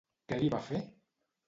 Què li va fer?